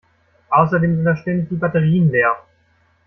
Außerdem sind da ständig die Batterien leer.